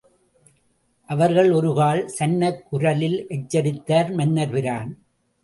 அவர்கள் ஒருக்கால்..! சன்னக் குரலில் எச்சரித்தார், மன்னர்பிரான்.